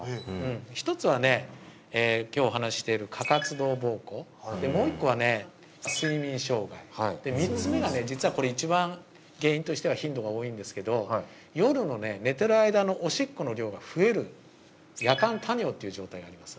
一つはね今日お話ししている過活動膀胱でもう一個はね睡眠障害で３つ目がね実はこれ一番原因としては頻度が多いんですけど夜のね寝てる間のおしっこの量が増える夜間多尿という状態があります